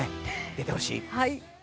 出てほしい。